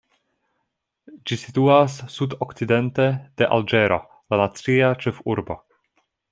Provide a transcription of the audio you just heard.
Ĝi situas sudokcidente de Alĝero, la nacia ĉefurbo.